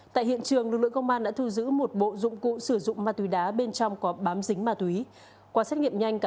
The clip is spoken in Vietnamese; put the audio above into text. tại hiện trường lực lượng công an đã thu giữ một bộ dụng cụ sử dụng ma túy đá